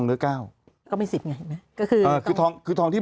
รูปภัณฑ์มันต้องใส่